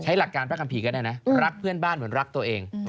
หลักการพระคัมภีร์ก็ได้นะรักเพื่อนบ้านเหมือนรักตัวเอง